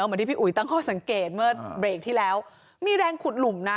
เหมือนที่พี่อุ๋ยตั้งข้อสังเกตเมื่อเบรกที่แล้วมีแรงขุดหลุมนะ